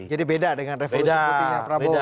jadi beda dengan revolusi putihnya prabowo ya